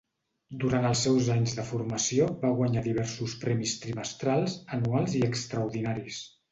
Durant els seus anys de formació va guanyar diversos premis trimestrals, anuals i extraordinaris.